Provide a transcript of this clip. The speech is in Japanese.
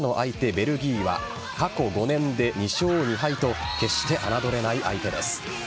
ベルギーは過去５年で２勝２敗と決して侮れない相手です。